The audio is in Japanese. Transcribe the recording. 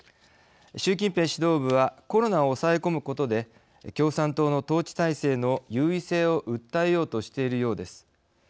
習近平指導部はコロナを抑え込むことで共産党の統治体制の優位性を訴えようとしているようです。